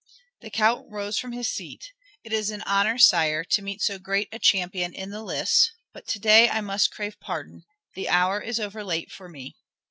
The Count rose from his seat. "It is an honor, sire, to meet so great a champion in the lists, but to day I must crave pardon. The hour is over late for me."